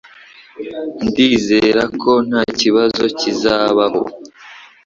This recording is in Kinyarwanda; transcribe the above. Ndizera ko ntakibazo kizabaho.